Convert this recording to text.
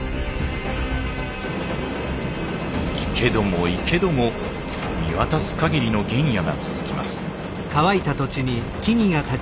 行けども行けども見渡す限りの原野が続きます。